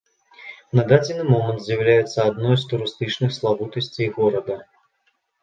На дадзены момант з'яўляюцца адной з турыстычных славутасцей горада.